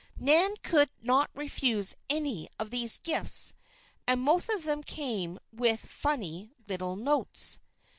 Nan could not refuse any of these gifts, and most of them came with funny little notes.